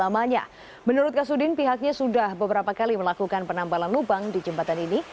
menurut kasudin pihaknya sudah beberapa kali melakukan penambalan lubang di jembatan ini